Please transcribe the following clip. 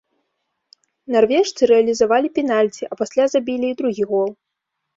Нарвежцы рэалізавалі пенальці, а пасля забілі і другі гол.